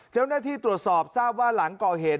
เจ้าหน้าที่ตรวจสอบทราบว่าหลังก่อเหตุ